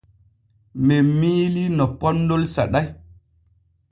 Men miilii no poonnol saɗay.